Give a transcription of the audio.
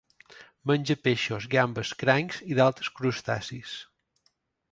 Menja peixos, gambes, crancs i d'altres crustacis.